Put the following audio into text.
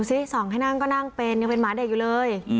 สิส่องให้นั่งก็นั่งเป็นยังเป็นหมาเด็กอยู่เลย